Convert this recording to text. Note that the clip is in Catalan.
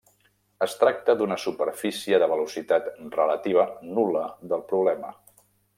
Es tracta d'una superfície de velocitat relativa nul·la del problema.